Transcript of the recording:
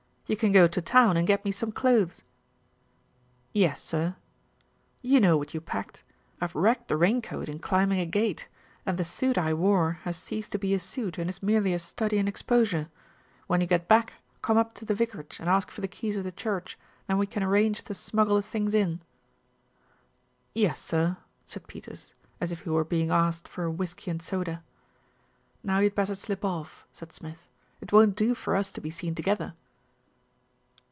"You can go to town and get me some clothes." "Yes, sir." "You know what you packed. I've wrecked the rain coat in climbing a gate, and the suit I wore has ceased to be a suit, and is merely a study in exposure. When you get back, come up to the vicarage and ask for the keys of the church, then we can arrange to smuggle the things in." "Yes, sir," said Peters as if he were being asked for a whisky and soda. "Now you had better slip off," said Smith. "It won't do for us to be seen together."